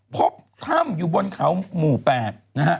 พบคำอยู่บนเขามู่แปด